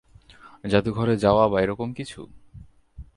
যাদুঘরে যাওয়া বা এরকম কিছু?